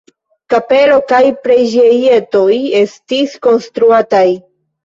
Kapeloj kaj preĝejetoj estis konstruataj.